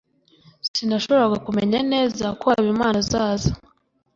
Sinashoboraga kumenya neza ko Habimana azaza.